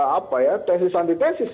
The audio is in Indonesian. apa ya tesis antisitis